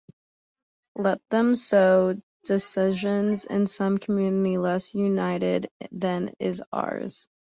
Let them sow dissension in some community less united than is ours.